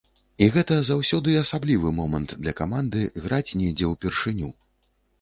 І гэта заўсёды асаблівы момант для каманды, граць недзе ў першыню.